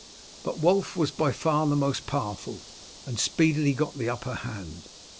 But Wulf was by far the most powerful, and speedily got the upper hand.